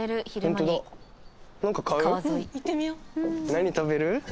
何食べる？